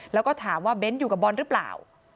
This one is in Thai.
แล้วก็ถามว่าเบ้นอยู่กับบอลหรือเปล่า